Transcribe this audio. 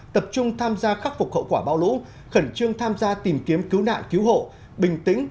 tập trung tham gia khắc phục hậu quả bão lũ khẩn trương tham gia tìm kiếm cứu nạn cứu hộ bình tĩnh